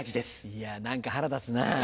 いや何か腹立つなぁ。